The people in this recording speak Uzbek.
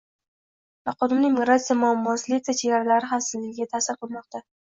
Noqonuniy migratsiya muammosi Litva chegaralari xavfsizligiga ta’sir qilmoqdang